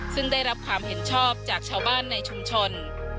ซึ่งได้รับความเห็นชอบจากชาวบ้านในชุมชน